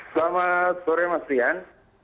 selamat sore mas rian